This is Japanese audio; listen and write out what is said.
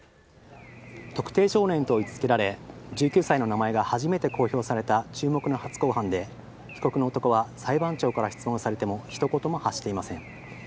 特定少年と位置付けられ１９歳の名前が初めて公表された注目の初公判で被告の男は裁判所から質問されても一言も発していません。